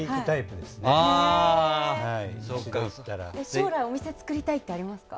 将来お店作りたいとかありますか？